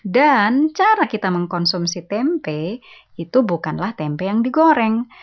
dan cara kita mengkonsumsi tempe itu bukanlah tempe yang digoreng